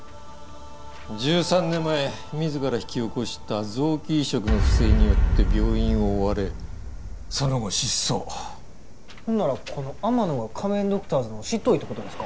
１３年前自ら引き起こした臓器移植の不正によって病院を追われその後失踪ほんならこの天野が仮面ドクターズの執刀医ってことですか？